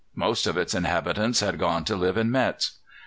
Most of its inhabitants had gone to live in Metz.